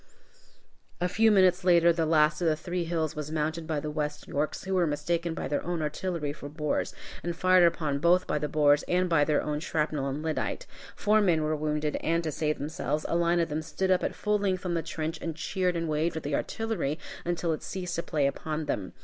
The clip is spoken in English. A few minutes later the last of the three hills was mounted by the West Yorks, who were mistaken by their own artillery for Boers, and fired upon both by the Boers and by their own shrapnel and lyddite. Four men were wounded, and, to save themselves, a line of them stood up at full length on the trench and cheered and waved at the artillery until it had ceased to play upon them.